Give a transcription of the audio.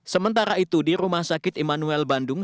sementara itu di rumah sakit immanuel bandung